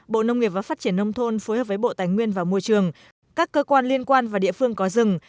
bộ nông nghiệp và phát triển nông thôn phối hợp với bộ tài nguyên và môi trường các cơ quan liên quan và địa phương có rừng